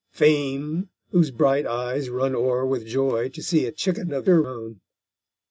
Fame, whose bright eyes run o'er With joy to see a Chicken of her own.